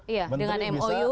iya dengan mou